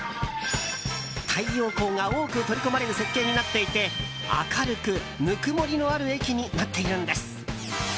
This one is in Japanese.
太陽光が多く取り込まれる設計になっていて明るく、ぬくもりのある駅になっているんです。